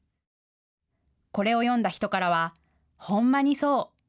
これを読んだ人たちからはほんまにそう。